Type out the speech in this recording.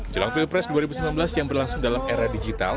jelang pilpres dua ribu sembilan belas yang berlangsung dalam era digital